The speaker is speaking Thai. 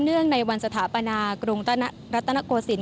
งในวันสถาปนากรุงรัตนโกศิลป